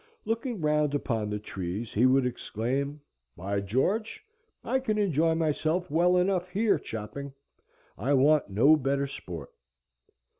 Looking round upon the trees he would exclaim,—"By George! I can enjoy myself well enough here chopping; I want no better sport."